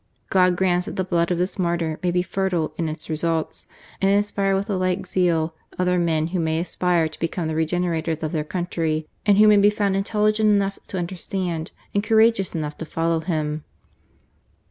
God grant that the blood of this martyr may be fertile in its results, and inspire with the like zeal other men who may aspire to become the regenerators of their country, and who may be found intelligent enough to understand, and courageous enough to follow him."